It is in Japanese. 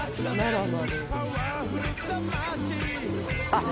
あっ！